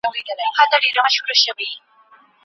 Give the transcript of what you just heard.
د ولسواکۍ لاره د ټولو لپاره غوره لاره ده.